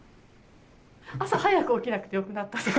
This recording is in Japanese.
朝早く起きなくてよくなった。